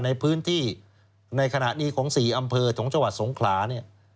ในพื้นที่ในขณะนี้ของ๔อำเภอของจังหวัดสงขลาเนี่ย